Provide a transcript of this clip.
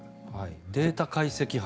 データ解析班。